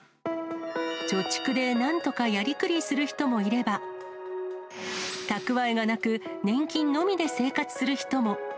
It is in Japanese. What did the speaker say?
貯蓄でなんとかやりくりする人もいれば、たくわえがなく、年金のみで生活する人も。